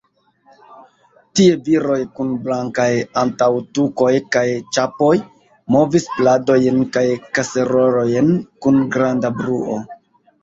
Tie viroj, kun blankaj antaŭtukoj kaj ĉapoj, movis pladojn kaj kaserolojn kun granda bruo.